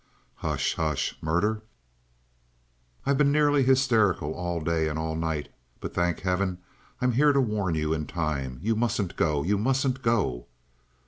"Hush! Hush! Murder?" "I've been nearly hysterical all day and all the night. But. thank heaven, I'm here to warn you in time! You mustn't go. You mustn't go!"